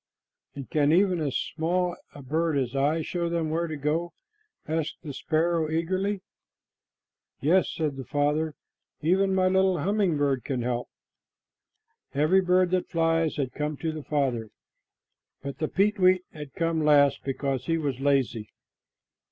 "And can even as small a bird as I show them where to go?" asked the sparrow eagerly. "Yes," said the Father, "even my little humming bird can help me." Every bird that flies had come to the Father, but the peetweet had come last because he was lazy.